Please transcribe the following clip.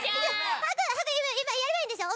今やればいいんでしょ？